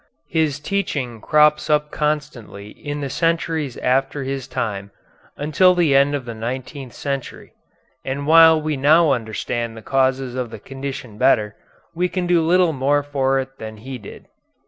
His teaching crops up constantly in the centuries after his time, until the end of the nineteenth century, and while we now understand the causes of the condition better, we can do little more for it than he did.